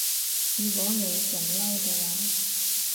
如果你仲嬲嘅話